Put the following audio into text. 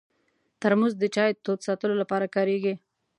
ترموز د چای تود ساتلو لپاره کارېږي.